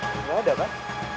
gak ada kan